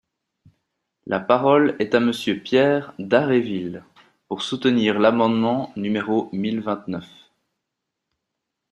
La parole est à Monsieur Pierre Dharréville, pour soutenir l’amendement numéro mille vingt-neuf.